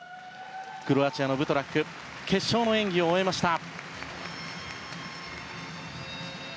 クロアチアのブトラック決勝の演技を終えました。